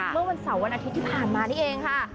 เมื่อวันเสาร์วันอาทิตย์ที่ผ่านมานี่เองค่ะ